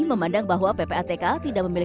memandang bahwa ppatk tidak memiliki